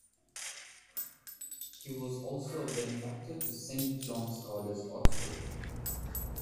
He was also a benefactor to Saint John's College, Oxford.